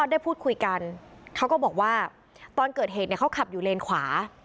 ได้พูดคุยกันเขาก็บอกว่าตอนเกิดเหตุเนี่ยเขาขับอยู่เลนขวา